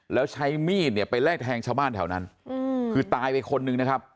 แล้วใช้มีดเนี่ยไปไล่แทงชาวบ้านแถวนั้นคือตายไปคนนึงนะครับ